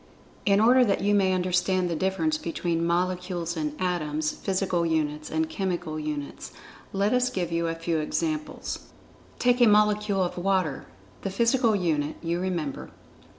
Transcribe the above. In order that you may understand the difference between Molecules and Atoms—physical units, and chemical units, let us give you a few examples. Take a molecule of water—the physical unit, you remember.